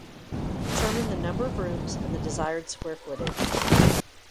Determine the number of rooms and the desired square footage.